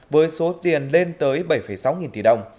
với số tiền lên tới bảy sáu nghìn tỷ đồng